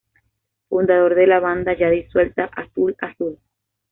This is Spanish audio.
Fundador de la banda ya disuelta Azul Azul.